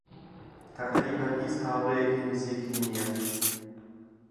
تەقریبەن هیچ هاوڕێیەکی نزیکی نییە.